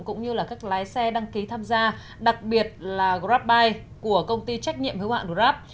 cũng như các lái xe đăng ký tham gia đặc biệt là grabbuy của công ty trách nhiệm hữu hạn grab